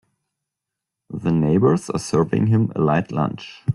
The neighbors are serving him a light lunch.